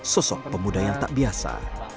sosok pemuda yang tak biasa